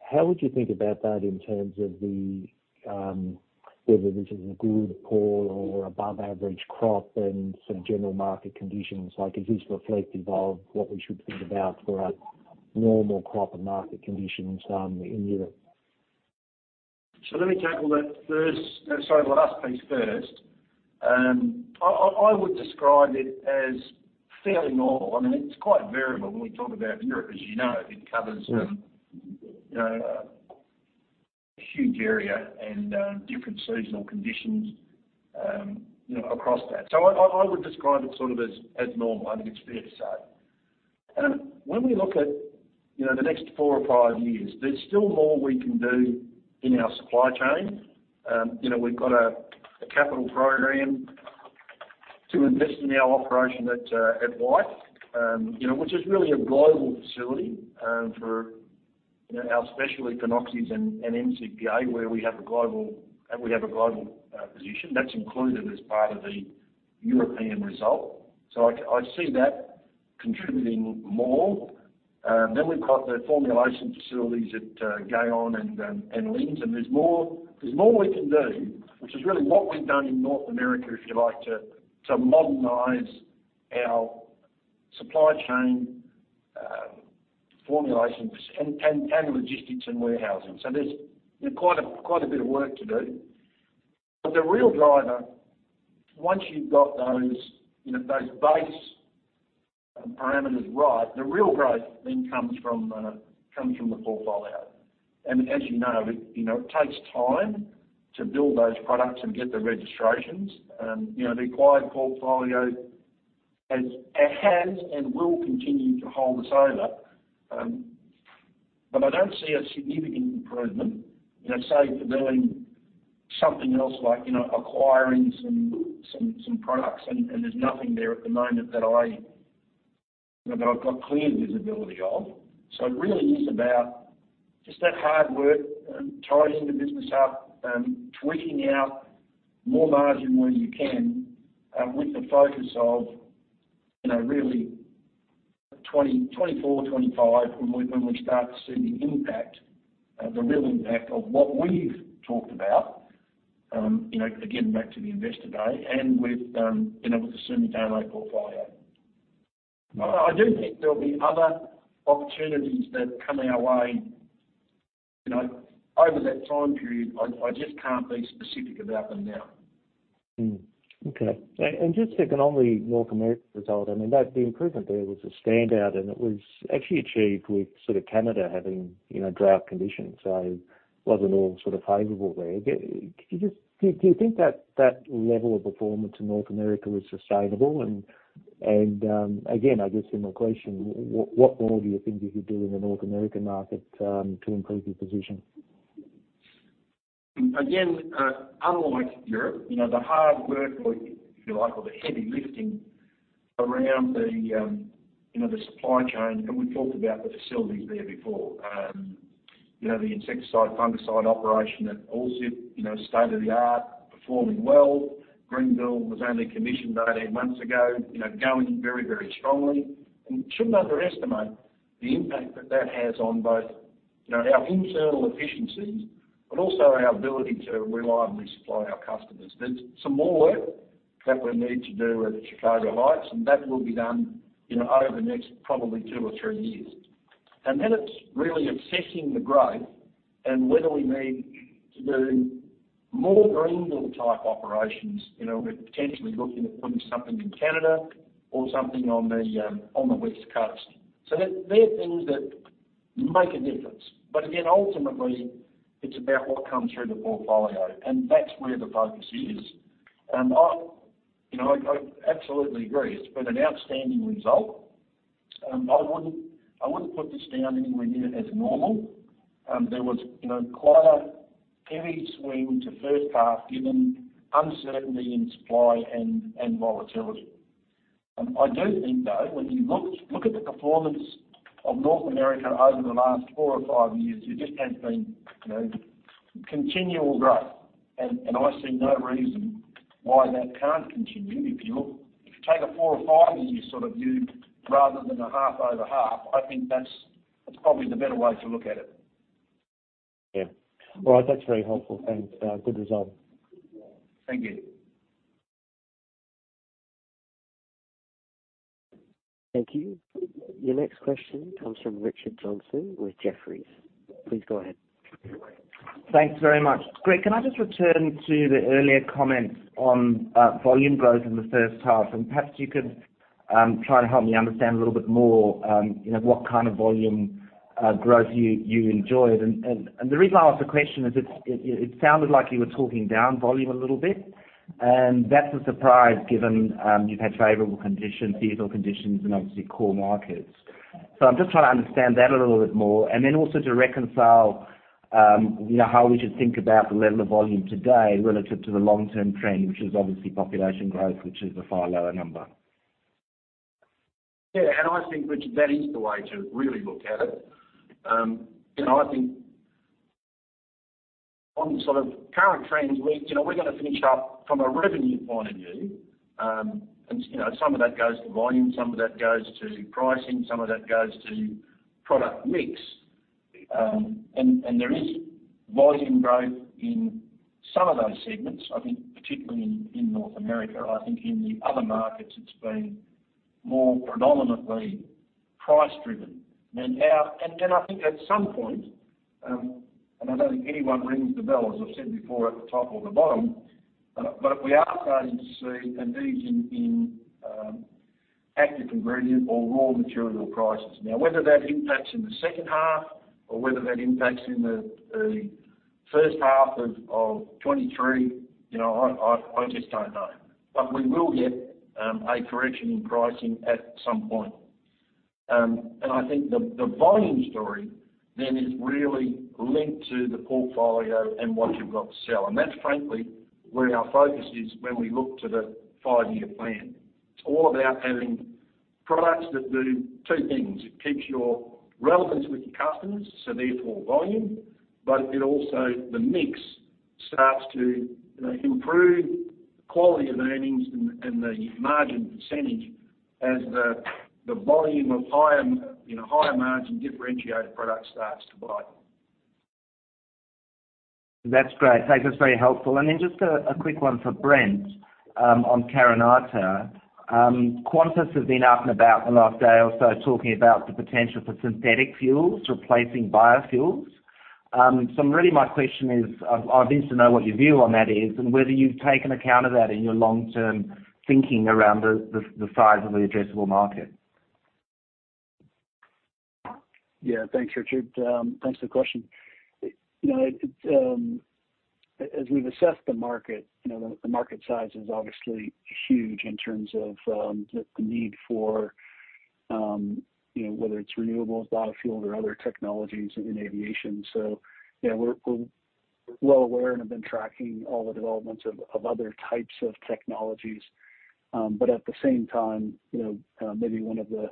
how would you think about that in terms of whether this is a good, poor, or above average Crop and some general market conditions? Like, is this reflective of what we should think about for a normal Crop and market conditions in Europe? Let me tackle that first, sorry, last piece first. I would describe it as fairly normal. I mean, it's quite variable when we talk about Europe. As you know, it covers. Yeah You know, a huge area and different seasonal conditions, you know, across that. I would describe it sort of as normal. I think it's fair to say. When we look at you know, the next four or five years, there's still more we can do in our supply chain. You know, we've got a capital program to invest in our operation at Wyke, you know, which is really a global facility for you know, our specialty phenoxy and MCPA where we have a global position. That's included as part of the European result. I see that contributing more. We've got the formulation facilities at Gaillon and Linz. There's more we can do, which is really what we've done in North America, if you like, to modernize our supply chain, formulations and logistics and warehousing. There's quite a bit of work to do. The real driver, once you've got those base parameters right, the real growth then comes from the portfolio. As you know, it takes time to build those products and get the registrations. The acquired portfolio has and will continue to hold us over. I don't see a significant improvement, save for doing something else like acquiring some products. There's nothing there at the moment that I've got clear visibility of. It really is about just that hard work, tidying the business up, tweaking out more margin where you can, with the focus of, you know, really 2024, 2025, when we start to see the impact, the real impact of what we've talked about, you know, again, back to the Investor day and with, you know, with the Sumitomo portfolio. I do think there'll be other opportunities that come our way, you know, over that time period. I just can't be specific about them now. Okay. Just sticking on the North America result, I mean, the improvement there was a standout, and it was actually achieved with sort of Canada having, you know, drought conditions. It wasn't all sort of favorable there. Do you think that level of performance in North America was Sustainable? Again, I guess similar question, what more do you think you could do in the North American market to improve your position? Again, unlike Europe, you know, the hard work or, if you like, or the heavy lifting around the, you know, the supply chain, and we've talked about the facilities there before. You know, the insecticide/fungicide operation at Alsip, you know, state-of-the-art, performing well. Greenville was only commissioned 18 months ago. You know, going very, very strongly. You shouldn't underestimate the impact that that has on both, you know, our internal efficiencies, but also our ability to reliably supply our customers. There's some more work that we need to do at Chicago Heights, and that will be done, you know, over the next probably two or three years. Then it's really assessing the growth and whether we need to do more Greenville-type operations. You know, we're potentially looking at doing something in Canada or something on the, on the West Coast. They're things that make a difference. Again, ultimately, it's about what comes through the portfolio, and that's where the focus is. You know, I absolutely agree. It's been an outstanding result. I wouldn't put this down anywhere near as normal. There was, you know, quite a heavy swing to first half given uncertainty in supply and volatility. I do think though, when you look at the performance of North America over the last four or five years, there just has been, you know, continual growth. I see no reason why that can't continue. If you look, if you take a four or five-year sort of view rather than a half-over-half, I think that's probably the better way to look at it. Yeah. All right. That's very helpful. Good result. Thank you. Thank you. Your next question comes from Richard Johnson with Jefferies. Please go ahead. Thanks very much. Greg, can I just return to the earlier comments on volume growth in the first half? Perhaps you could try to help me understand a little bit more, you know, what kind of volume growth you enjoyed. The reason I ask the question is it sounded like you were talking down volume a little bit, and that's a surprise given you've had favorable conditions, seasonal conditions in obviously core markets. I'm just trying to understand that a little bit more and then also to reconcile, you know, how we should think about the level of volume today relative to the long-term trend, which is obviously population growth, which is a far lower number. I think, Richard, that is the way to really look at it. You know, I think on sort of current trends, we, you know, we're gonna finish up from a revenue point of view. You know, some of that goes to volume, some of that goes to pricing, some of that goes to product mix. There is volume growth in some of those segments, I think particularly in North America. I think in the other markets it's been more predominantly price driven. I think at some point, and I don't think anyone rings the bell, as I've said before, at the top or the bottom, but we are starting to see a decrease in active ingredient or raw material prices. Now, whether that impacts in the second half or whether that impacts in the first half of 2023, you know, I just don't know. We will get a correction in pricing at some point. I think the volume story then is really linked to the portfolio and what you've got to sell. That's frankly where our focus is when we look to the five-year plan. It's all about having Products that do two things. It keeps your relevance with your customers, so therefore volume, but it also, the mix starts to, you know, improve quality of earnings and the margin percentage as the volume of higher, you know, higher margin differentiated product starts to bite. That's great. Thanks, that's very helpful. Just a quick one for Brent on Carinata. Qantas has been out and about the last day or so talking about the potential for synthetic fuels replacing biofuels. Really my question is, I'd be interested to know what your view on that is and whether you've taken account of that in your long-term thinking around the size of the addressable market. Yeah. Thanks, Richard. Thanks for the question. You know, it's as we've assessed the market, you know, the market size is obviously huge in terms of the need for you know, whether it's renewables, biofuels or other Technologies in Aviation. Yeah, we're well aware and have been tracking all the developments of other types of Technologies. At the same time, you know, maybe one of the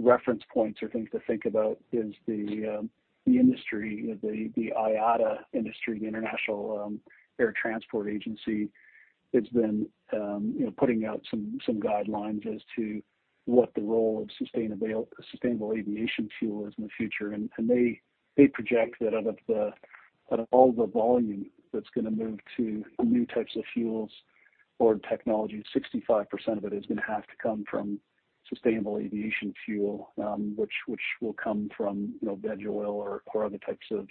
reference points or things to think about is the industry, the IATA industry, the International Air Transport Association, that's been putting out some guidelines as to what the role of Sustainable Aviation Fuel is in the future. They project that out of all the volume that's gonna move to new types of fuels or technology, 65% of it is gonna have to come from Sustainable Aviation Fuel, which will come from, you know, veg oil or other types of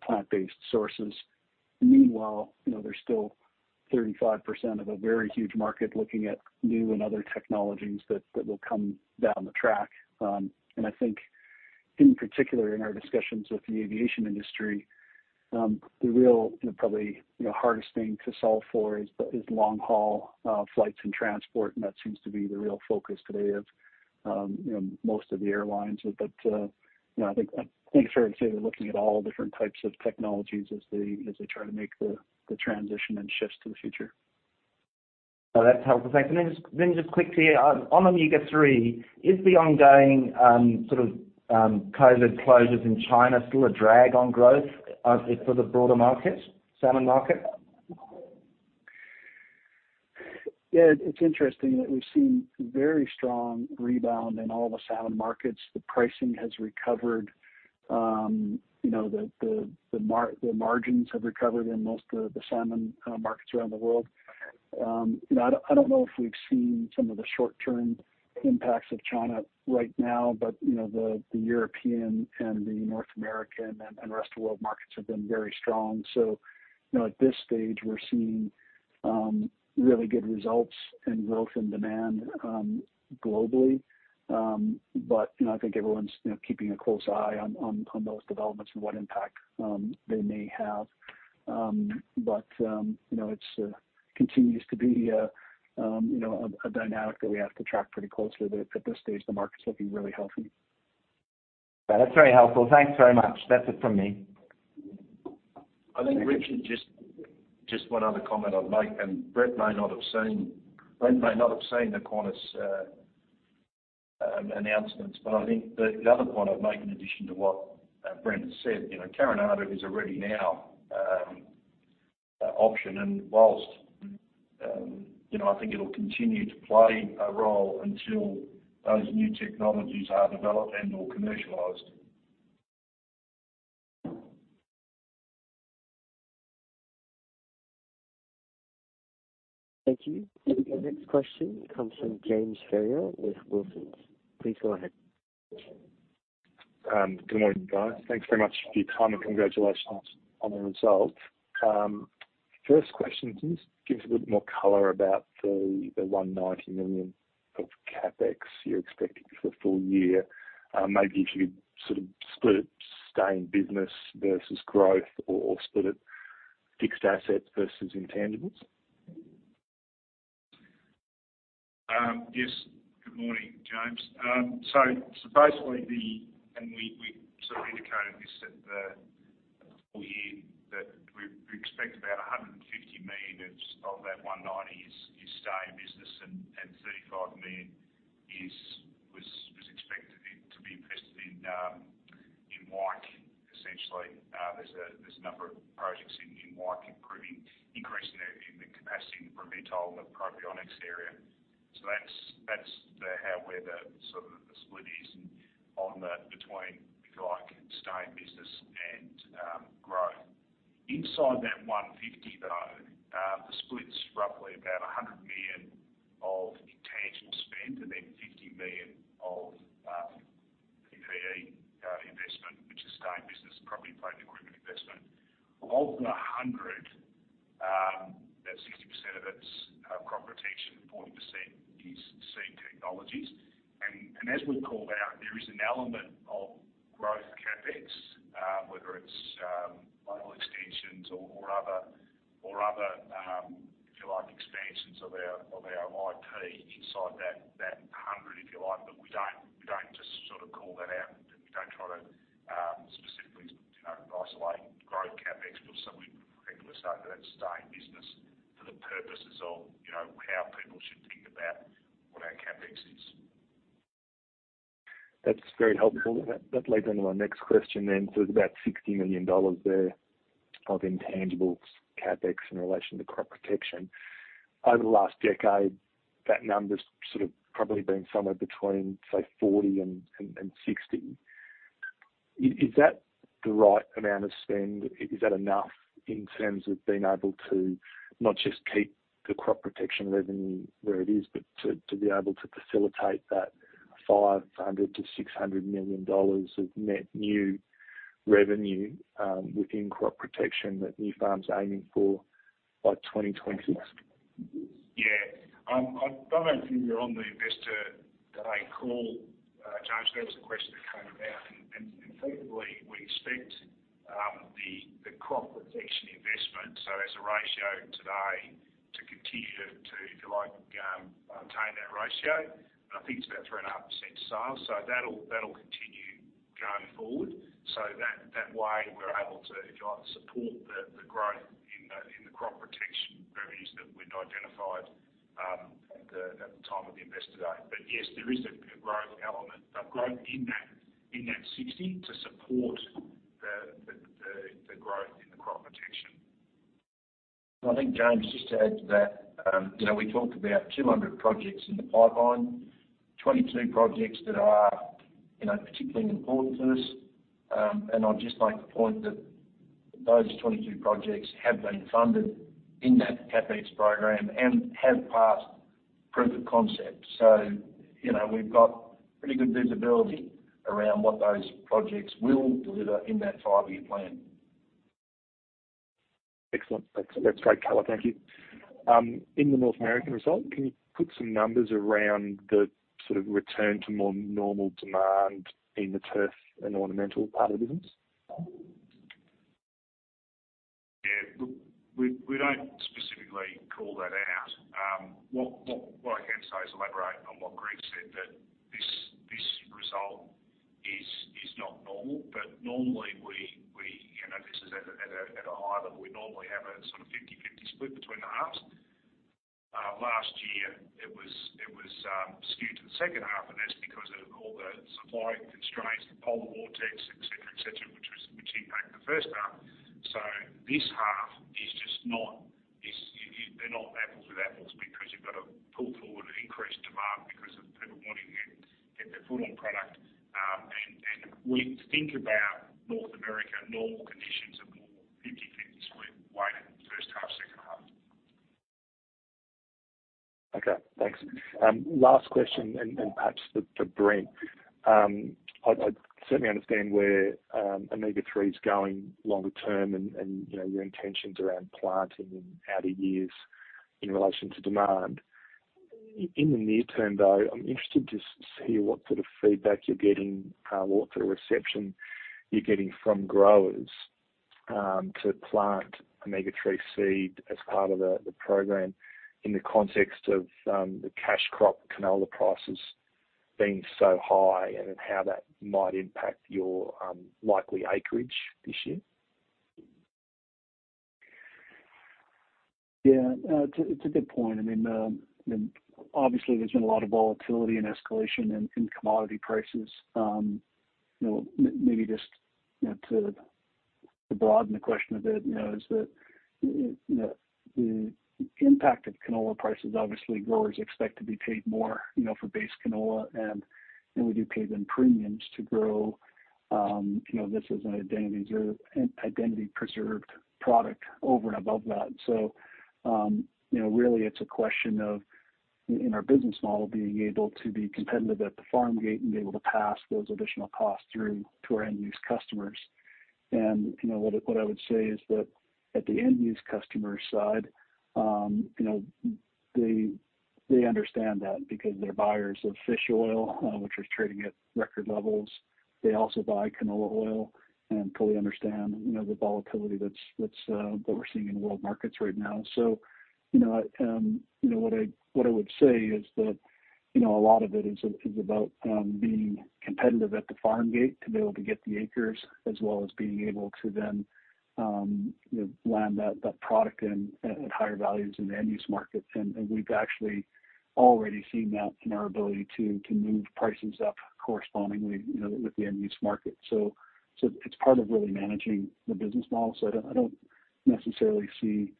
plant-based sources. Meanwhile, you know, there's still 35% of a very huge market looking at new and other Technologies that will come down the track. I think in particular in our discussions with the Aviation industry, the real, you know, probably, you know, hardest thing to solve for is long-haul flights and transport, and that seems to be the real focus today of, you know, most of the airlines. you know, I think fair to say they're looking at all different types of Technologies as they try to make the transition and shift to the future. No, that's helpful. Thanks. Then just quickly on Omega-3, is the ongoing sort of COVID closures in China still a drag on growth for the broader market, salmon market? Yeah, it's interesting that we've seen very strong rebound in all the salmon markets. The pricing has recovered. You know, the margins have recovered in most of the salmon markets around the world. You know, I don't know if we've seen some of the short-term impacts of China right now, but you know, the European and the North American and rest of world markets have been very strong. You know, at this stage we're seeing really good results in growth and demand globally. You know, I think everyone's keeping a close eye on those developments and what impact they may have. You know, it continues to be a dynamic that we have to track pretty closely. At this stage, the market's looking really healthy. That's very helpful. Thanks very much. That's it from me. I think, Richard, just one other comment I'd make, and Brent may not have seen the Qantas announcements, but I think the other point I'd make in addition to what Brent said, you know, Carinata is a ready now option and while, you know, I think it'll continue to play a role until those new Technologies are developed and/or commercialized. Thank you. The next question comes from James Ferrier with Wilsons. Please go ahead. Good morning, guys. Thanks very much for your time, and congratulations on the result. First question, can you just give us a bit more color about the 190 million of CapEx you're expecting for the full year? Maybe if you could sort of split it, stay-in-business versus growth or split it, fixed asset versus intangibles. Yes. Good morning, James. We sort of indicated this at the full year, that we expect about 150 million of that 190 is stay in business and 35 million was expected to be invested in Wyke essentially. There's a number of projects in Wyke improving, increasing the capacity in the Provimi Tolle Probiotics area. That's where the sort of the split is on that between, if you like, stay in business and growth. Inside that 150 though, the split's roughly about 100 million of intangible spend and then 50 million of PPE investment, which is stay in business, probably plant and equipment investment. Of the 100, about 60% of it's Crop Protection, 40% is Seed Technologies. As we called out, there is an element of growth CapEx, whether it's global extensions or other, if you like, expansions of our IP inside that 100, if you like, to isolate growth CapEx from some of the regular side of that steady business for the purposes of, you know, how people should think about what our CapEx is. That's very helpful. That leads on to my next question then. There's about 60 million dollars there of intangible CapEx in relation to Crop Protection. Over the last decade, that number's sort of probably been somewhere between, say 40 and 60. Is that the right amount of spend? Is that enough in terms of being able to not just keep the Crop Protection revenue where it is, but to be able to facilitate that 500 million-600 million dollars of net new revenue within Crop Protection that Nufarm's aiming for by 2020? Yeah. I don't know if you were on the Investor Day call, James. That was a question that came out, and effectively, we expect the Crop Protection investment, so as a ratio today to continue to, if you like, obtain that ratio. I think it's about 3.5% sales. That'll continue going forward. That way we're able to, if you like, support the growth in the Crop Protection revenues that we'd identified at the time of the Investor day. Yes, there is a growth element. The growth in that 60 to support the growth in the Crop Protection. I think, James, just to add to that, you know, we talked about 200 projects in the pipeline. 22 projects that are, you know, particularly important to us. I'd just make the point that those 22 projects have been funded in that CapEx program and have passed Proof of Concept. You know, we've got pretty good visibility around what those projects will deliver in that five-year plan. Excellent. That's great, Color. Thank you. In the North American result, can you put some numbers around the sort of return to more normal demand in the Turf and Ornamental part of the business? Yeah. Look, we don't specifically call that out. What I can say is elaborate on what Greg said, that this result is not normal. Normally we, you know, this is at a high level. We normally have a sort of 50/50 split between the halves. Last year it was skewed to the second half, and that's because of all the supply constraints, the polar vortex, et cetera, et cetera, which impacted the first half. This half is just not apples to apples because you've got a pull-forward and increased demand because of people wanting to get their foot on product. We think about North America, normal conditions are more 50/50 split weighted first half, second half. Okay, thanks. Last question, perhaps for Brent. I certainly understand where Omega-3 is going longer term and, you know, your intentions around planting and outer years in relation to demand. In the near term though, I'm interested to see what sort of feedback you're getting, what sort of reception you're getting from growers, to plant Omega-3 Seed as part of the program in the context of the cash Crop canola prices being so high and then how that might impact your likely acreage this year. Yeah. It's a good point. I mean, obviously there's been a lot of volatility and escalation in commodity prices. You know, maybe just to broaden the question a bit, you know, is that you know, the impact of canola prices. Obviously growers expect to be paid more, you know, for base canola and we do pay them premiums to grow this as an Identity Preserved product over and above that. You know, really it's a question of in our business model being able to be competitive at the farm gate and be able to pass those additional costs through to our end use customers. You know what I would say is that at the end use customer side, you know, they understand that because they're buyers of fish oil, which is trading at record levels. They also buy canola oil and fully understand, you know, the volatility that's that we're seeing in world markets right now. You know what I would say is that, you know, a lot of it is about being competitive at the farm gate to be able to get the acres as well as being able to then, you know, land that product at higher values in the end use markets. We've actually already seen that in our ability to move prices up correspondingly, you know, with the end use market. It's part of really managing the business model. I don't necessarily see,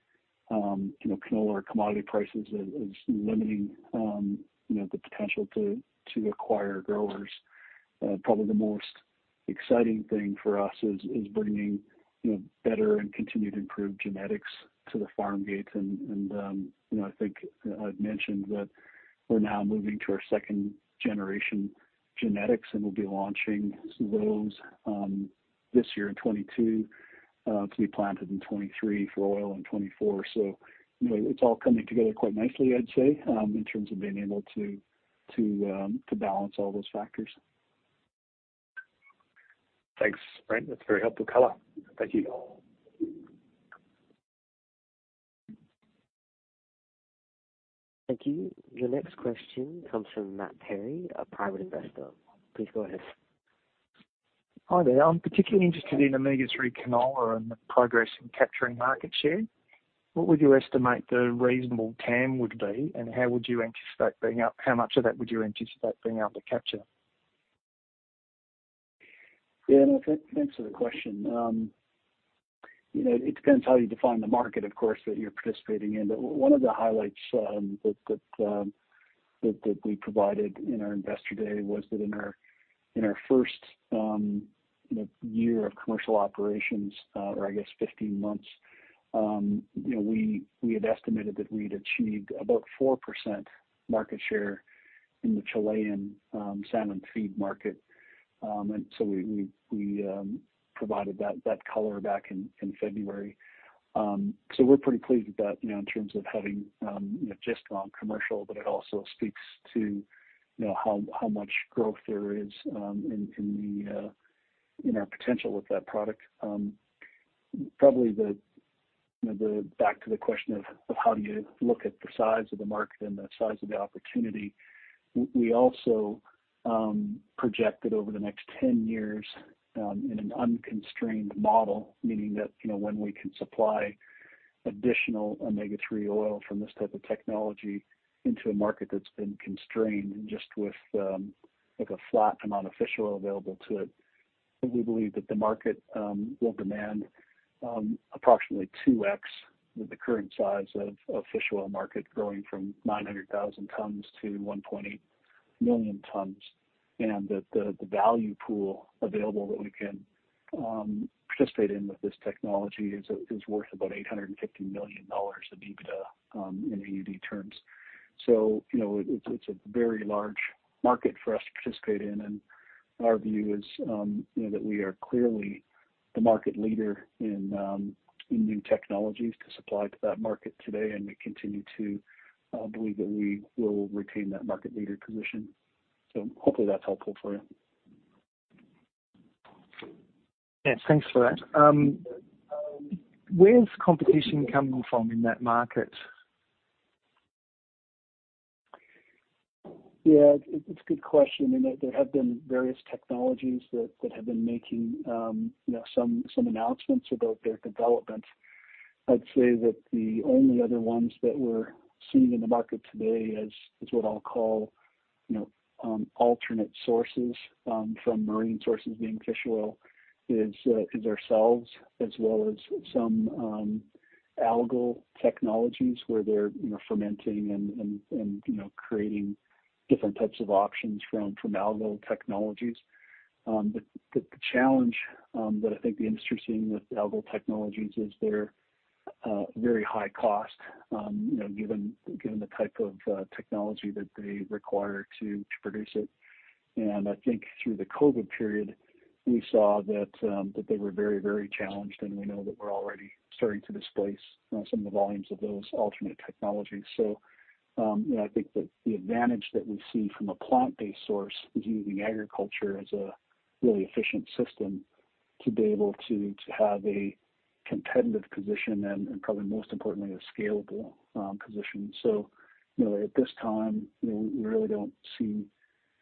you know, canola or commodity prices as limiting, you know, the potential to acquire growers. Probably the most exciting thing for us is bringing, you know, better and continued improved genetics to the farm gate. You know, I think I've mentioned that we're now moving to our second generation genetics, and we'll be launching some of those, this year in 2022, to be planted in 2023 for oil in 2024. You know, it's all coming together quite nicely, I'd say, in terms of being able to balance all those factors. Thanks, Brent. That's very helpful. Calla. Thank you. Thank you. Your next question comes from Matt Perry, a private Investor. Please go ahead. Hi there. I'm particularly interested in Omega-3 canola and the progress in capturing market share. What would you estimate the reasonable TAM would be, and how much of that would you anticipate being able to capture? Yeah, look, thanks for the question. You know, it depends how you define the market, of course, that you're participating in. One of the highlights that we provided in our Investor Day was that in our first year of commercial operations, or I guess 15 months, you know, we had estimated that we'd achieved about 4% market share in the Chilean salmon feed market. We provided that color back in February. We're pretty pleased with that, you know, in terms of having just gone commercial, but it also speaks to you know, how much growth there is in our potential with that product. Probably getting back to the question of how do you look at the size of the market and the size of the opportunity. We also projected over the next 10 years in an unconstrained model, meaning that you know when we can supply additional omega-3 oil from this type of technology into a market that's been constrained just with like a flat amount of fish oil available to it. We believe that the market will demand approximately 2x the current size of the fish oil market growing from 900,000 tons to 1.8 million tons. The value pool available that we can participate in with this technology is worth about 850 million dollars of EBITDA in AUD terms. You know, it's a very large market for us to participate in, and our view is, you know, that we are clearly the market leader in new Technologies to supply to that market today, and we continue to believe that we will retain that market leader position. Hopefully that's helpful for you. Yeah, thanks for that. Where is competition coming from in that market? Yeah, it's a good question, and there have been various Technologies that have been making, you know, some announcements about their development. I'd say that the only other ones that we're seeing in the market today is what I'll call, you know, alternate sources from marine sources being fish oil is ourselves as well as some algal Technologies where they're, you know, fermenting and creating different types of options from algal Technologies. The challenge that I think the industry is seeing with algal Technologies is they're very high cost, you know, given the type of technology that they require to produce it. I think through the COVID period, we saw that they were very challenged, and we know that we're already starting to displace some of the volumes of those alternate Technologies. You know, I think the advantage that we see from a plant-based source is using agriculture as a really efficient system to be able to have a competitive position and probably most importantly, a scalable position. You know, at this time, you know, we really don't see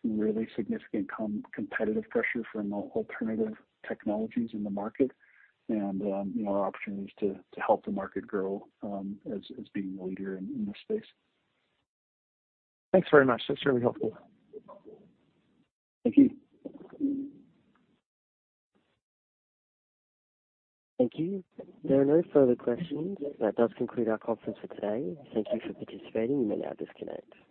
really significant competitive pressure from alternative Technologies in the market and you know, our opportunity is to help the market grow as being the leader in this space. Thanks very much. That's really helpful. Thank you. Thank you. There are no further questions. That does conclude our conference for today. Thank you for participating. You may now disconnect.